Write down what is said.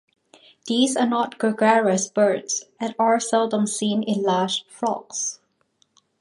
These are not gregarious birds and are seldom seen in large flocks.